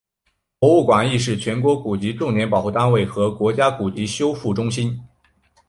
博物馆亦是全国古籍重点保护单位和国家级古籍修复中心。